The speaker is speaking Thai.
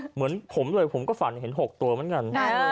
เหมือนผมเลยผมก็ฝันเห็น๖ตัวเหมือนกัน